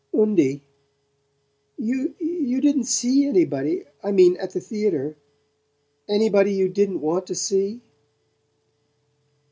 "Undie you didn't see anybody I mean at the theatre? ANYBODY YOU DIDN'T WANT TO SEE?"